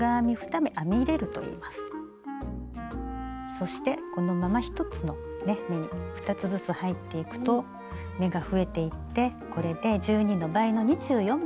そしてこのまま１つのね目に２つずつ入っていくと目が増えていってこれで１２の倍の２４目に増えました。